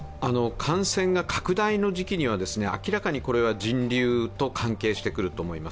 感染の拡大の時期には、明らかにこれは人流が関係していると思います。